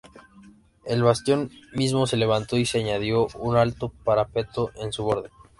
El bastión mismo se levantó y se añadió un alto parapeto en su borde.